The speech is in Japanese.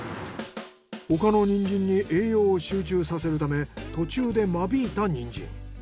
他のニンジンに栄養を集中させるため途中で間引いたニンジン。